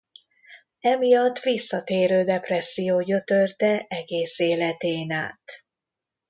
Emiatt visszatérő depresszió gyötörte egész életén át.